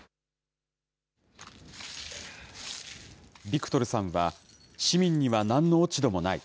ビクトルさんは、市民にはなんの落ち度もない。